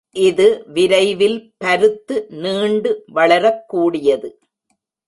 இது விரைவில் பருத்து நீண்டு வளரக் கூடியது.